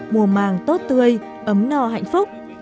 mùa màng tốt tươi ấm nò hạnh phúc